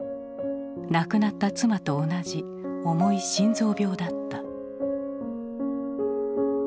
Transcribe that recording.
亡くなった妻と同じ重い心臓病だった。